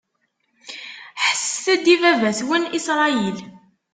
Ḥesset-d i baba-twen Isṛayil!